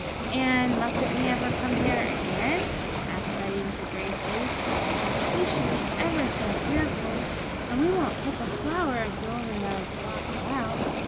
'And mustn't we ever come here again?' asked Betty, with a grave face. 'We should be ever so careful, and we won't pick a flower if you'll only let us walk about.